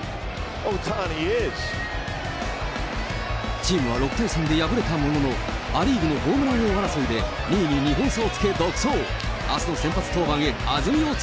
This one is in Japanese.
チームは６対３で敗れたものの、ア・リーグのホームラン王争いで２位に２本差をつけ、独走。